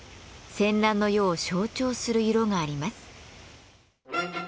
戦乱の世を象徴する色があります。